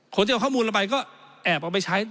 คนที่เอาข้อมูลเราไปก็แอบเอาไปใช้